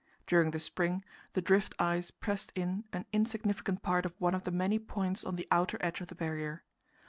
During the spring the drift ice pressed in an insignificant part of one of the many points on the outer edge of the Barrier.